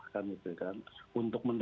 kan gitu kan untuk menarik